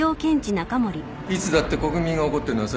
いつだって国民が怒ってるのは最初だけ。